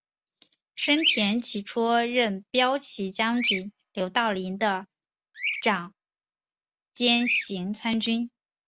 申恬起初任骠骑将军刘道邻的长兼行参军。